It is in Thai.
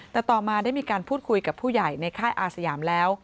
แต่ต่อมาได้มีการพูดคุยกับผู้ใหญ่ในค่ายอาสยามแล้ว